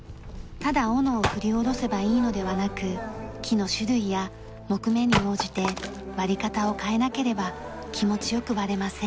ただ斧を振り下ろせばいいのではなく木の種類や木目に応じて割り方を変えなければ気持ちよく割れません。